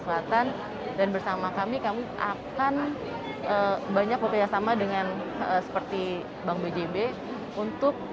selatan dan bersama kami kami akan banyak bekerjasama dengan seperti bank bjb untuk